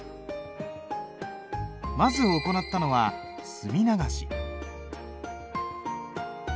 まず行ったのは墨流し。